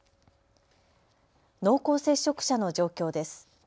濃厚接触者の状況です。